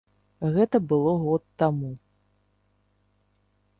Гэта было год таму.